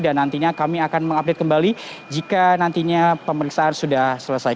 dan nantinya kami akan mengupdate kembali jika nantinya pemeriksaan sudah selesai